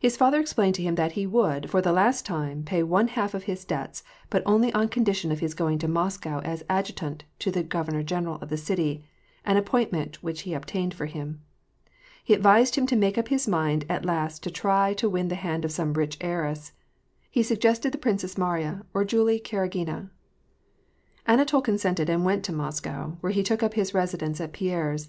His father explained to him that he would, for the last time, pay one half of his debts, but only on condition of his going to Moscow as adjutant to the governor general of the city, an appointment which he obtained for him. He advised him to make up his mind at last to try to win the hand of some rich heiress. He suggested the Princess Mariya or Julie Karagina. Anatol consented and went to Moscow, where he took up his residence at Pierre's.